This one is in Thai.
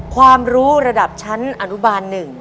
ความรู้ระดับชั้นอนุบาล๑